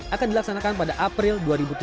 akan dilaksanakan pada april dua ribu tujuh belas